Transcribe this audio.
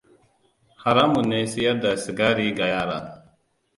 Haramun ne siyar da sigari ga yara.